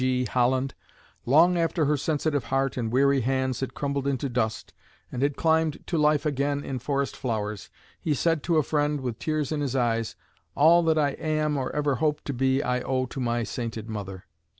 G. Holland: "Long after her sensitive heart and weary hands had crumbled into dust, and had climbed to life again in forest flowers, he said to a friend, with tears in his eyes, 'All that I am or ever hope to be I owe to my sainted mother.'"